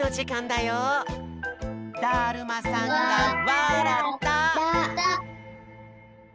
だるまさんがわらった！